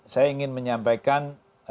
saya ingin menyampaikan